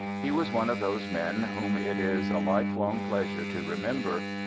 He was one of those men whom it is a life long pleasure to remember.